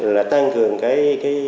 là tăng cường cái